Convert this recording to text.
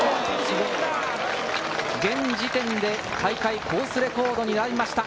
現時点で大会コースレコードに並びました。